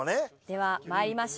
ではまいりましょう。